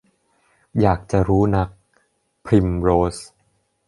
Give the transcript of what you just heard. อยากจะรู้นัก - พริมโรส